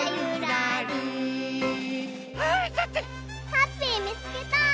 ハッピーみつけた！